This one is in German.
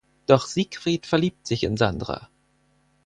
Doch Siegfried verliebt sich in Sandra.